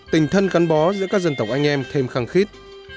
tình thân gắn bó giữa các dân tộc anh em thêm khăng khít